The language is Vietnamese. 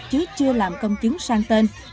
chứ chưa làm công chứng sang tên